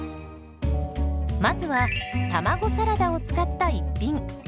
まずは卵サラダを使った一品。